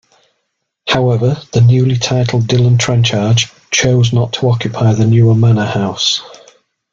However, the newly titled Dillon-Trenchards chose not to occupy the newer manor house.